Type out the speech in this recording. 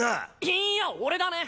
いいや俺だね！